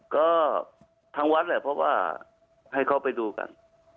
ก็ทางวัดแหละเพราะว่าให้เขาไปดูกัน